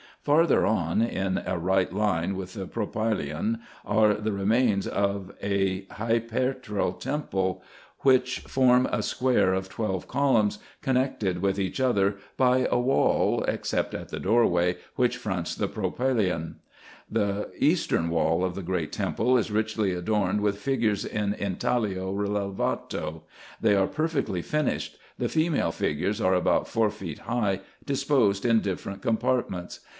Farther on, in a right line with the propyleeon, are the remains of an hypaethral temple, which f 2 36 RESEARCHES AND OPERATIONS form a square of twelve columns, connected with each other by a wall, except at the door way, which fronts the propylaeon. The eastern wall of the great temple is richly adorned with figures in intaglio relevato : they are perfectly finished : the female figures are about four feet high, disposed in different compart ments.